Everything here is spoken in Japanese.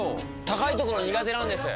高いところ苦手なんです。